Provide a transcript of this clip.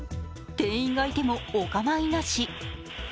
店員がいてもお構いなし。